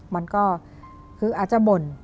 มันก็คืออาจจะบ่น